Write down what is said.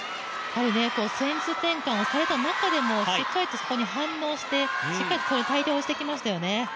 戦術展開をされた中でもしっかりと反応したしっかりとそこに対応してきましたよね。